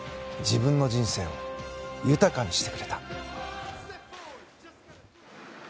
自分の人生を豊かにしてくれた。